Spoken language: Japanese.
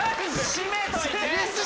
閉めといて！